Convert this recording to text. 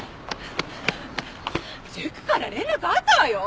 塾から連絡あったわよ。